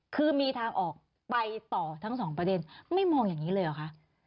คือมีทางออกไปต่อทั้งสองประเด็นไม่มองอย่างนี้เลยเหรอคะ